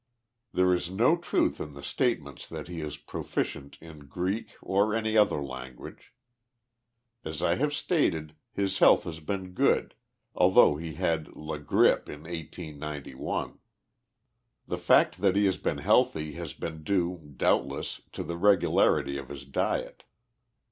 There is no truth in the statements that he is proficient in Greek, or any other language. As I have stated, his health has been good, although he had THE LIFE OF JESSE HARDIXG POMEROY. "la grippe" in 1S91. The fact that he has been healthy has been due, doubtless, to the the regularity of His diet.